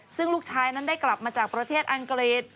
ซึ่งลูกชายนั้นได้กลับมาจากประเทศอังกฤษ